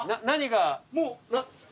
何が。